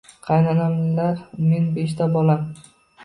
Qaynonamlar, men, beshta bolam..